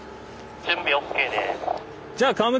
「準備ＯＫです」。